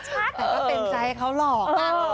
แต่ก็เต็มใจให้เขาหรอก